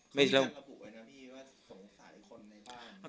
ก็ให้เขาระบุไปนะพี่ว่าสงสัยคนในบ้าน